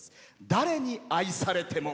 「誰に愛されても」。